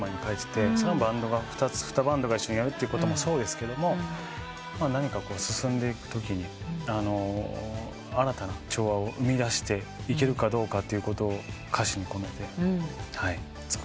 ２バンドが一緒にやるってこともそうですけど何か進んでいくときに新たな調和を生みだしていけるかどうかっていうことを歌詞に込めて作りました。